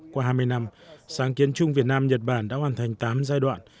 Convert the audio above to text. qua hai mươi năm sáng kiến chung việt nam nhật bản đã hoàn thành tám giai đoạn